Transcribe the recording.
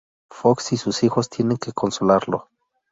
Fox y sus hijos tienen que consolarlo.